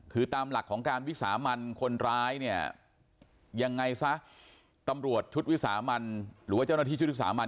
คือตามหลักของการวิสามันคนร้ายเนี่ยยังไงซะตำรวจชุดวิสามันหรือว่าเจ้าหน้าที่ชุดวิสามัน